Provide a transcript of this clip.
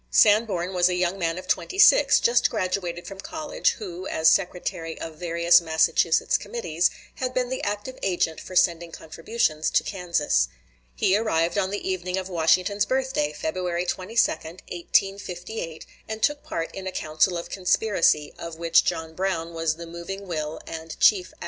Sanborn was a young man of twenty six, just graduated from college, who, as secretary of various Massachusetts committees, had been the active agent for sending contributions to Kansas. He arrived on the evening of Washington's birthday, February 22, 1858, and took part in a council of conspiracy, of which John Brown was the moving will and chief actor.